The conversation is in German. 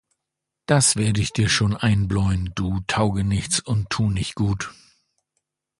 Das werde ich dir schon einbläuen, du Taugenichts und Tunichtgut!